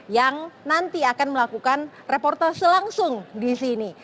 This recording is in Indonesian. yang nanti akan melakukan reportase langsung disini